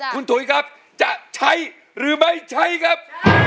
คุณถุยครับจะใช้หรือไม่ใช้ครับ